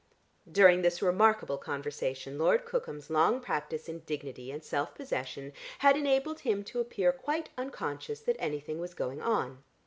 During this remarkable conversation Lord Cookham's long practise in dignity and self possession had enabled him to appear quite unconscious that anything was going on.